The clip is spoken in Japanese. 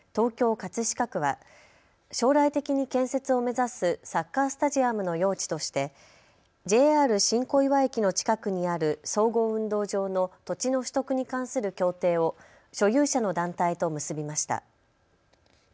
葛飾区は将来的に建設を目指すサッカースタジアムの用地としてＪＲ新小岩駅の近くにある総合運動場の土地の取得に関する協定を所有者の団体と結びました。